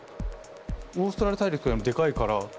オーストラリア大陸よりもでかいから。